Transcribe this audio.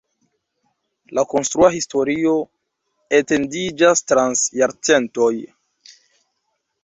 La konstrua historio etendiĝas trans jarcentoj.